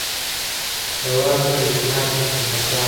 هېواد ته مینهناک نسل پکار دی